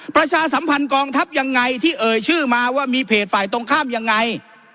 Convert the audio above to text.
ประชาสัมพันธ์กองทัพยังไงที่เอ่ยชื่อมาว่ามีเพจฝ่ายตรงข้ามยังไง